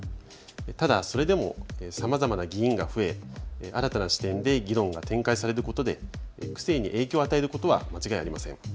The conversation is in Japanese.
ただそれでもさまざまな議員が増え新たな視点で議論が展開されることで区政に影響を与えることは間違いありません。